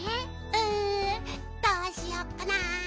んどうしよっかな？